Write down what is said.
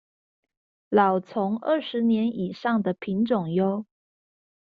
老欉二十年以上的品種唷